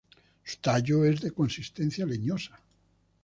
Su tallo es de consistencia leñosa.